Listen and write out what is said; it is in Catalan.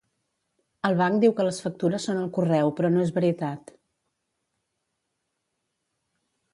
El banc diu que les factures són al correu però no és veritat